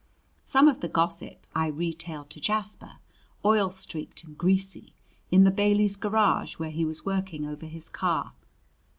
Some of the gossip I retailed to Jasper, oil streaked and greasy, in the Baileys' garage where he was working over his car.